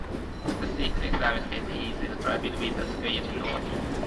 The first excited state is a triplet with a square geometry.